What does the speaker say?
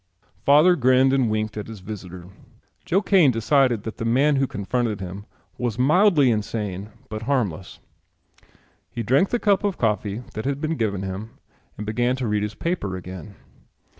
Father grinned and winked at his visitor. Joe Kane decided that the man who confronted him was mildly insane but harmless. He drank the cup of coffee that had been given him and began to read his paper again.